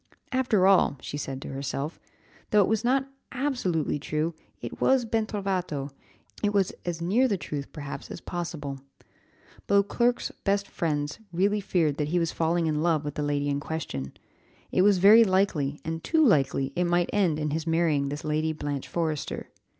"After all," said she to herself, "though it was not absolutely true, it was ben trovato, it was as near the truth, perhaps, as possible. Beauclerc's best friends really feared that he was falling in love with the lady in question. It was very likely, and too likely, it might end in his marrying this Lady Blanche Forrester.